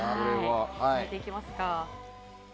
採点いきますか。